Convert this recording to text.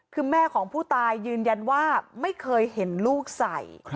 คือแม่ของผู้ตายยืนยันว่าไม่เคยเห็นลูกใส่